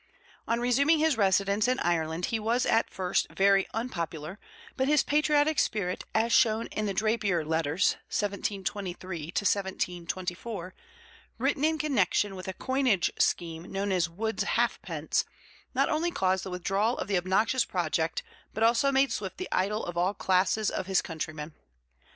On resuming his residence in Ireland he was at first very unpopular, but his patriotic spirit as shown in the Drapier Letters (1723 1724), written in connection with a coinage scheme known as "Wood's halfpence", not only caused the withdrawal of the obnoxious project but also made Swift the idol of all classes of his countrymen.